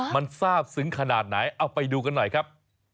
มันทราบซึ้งขนาดไหนเอาไปดูกันหน่อยครับ